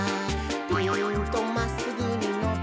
「ピーンとまっすぐにのばして」